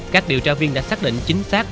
các điều tra viên đã xác định chính xác